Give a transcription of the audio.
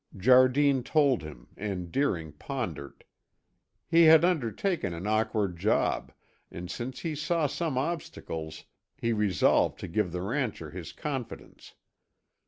Jardine told him and Deering pondered. He had undertaken an awkward job, and since he saw some obstacles, he resolved to give the rancher his confidence.